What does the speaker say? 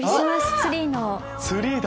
ツリーだ。